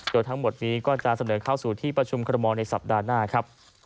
โดยทั้งหมดนี้ก็จะเสนอเข้าสู่ที่ประชุมคอรมอลในสัปดาห์หน้าครับ